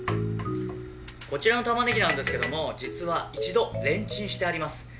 こちらのタマネギなんですけども実は一度レンチンしてあります。